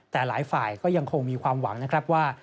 แต่หลายฝ่ายก็ยังคงมีความหวังนะครับว่า